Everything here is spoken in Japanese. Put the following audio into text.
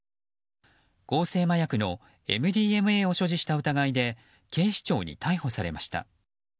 合成麻薬のＭＤＭＡを所持した疑いで警視庁に逮捕されました。